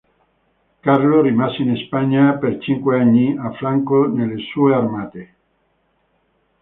Carlo rimase in Spagna per cinque anni a fianco delle sue armate.